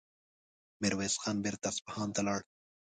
ميرويس خان بېرته اصفهان ته لاړ.